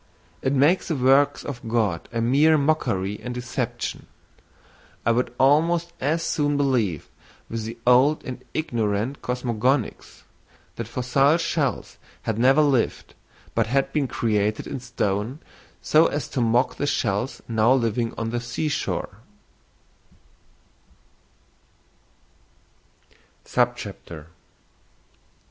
It makes the works of God a mere mockery and deception; I would almost as soon believe with the old and ignorant cosmogonists, that fossil shells had never lived, but had been created in stone so as to mock the shells now living on the sea shore.